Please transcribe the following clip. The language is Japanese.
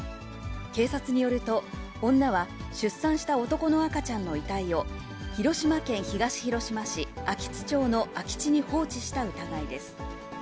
警察によると、女は出産した男の赤ちゃんの遺体を、広島県東広島市安芸津町の空き地に放置した疑いです。